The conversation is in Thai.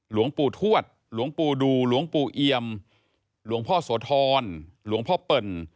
หลวงปู่ทวดหลวงปู่ดูหลวงปู่เอียมหลวงพ่อโสธรหลวงพ่อเปิ่น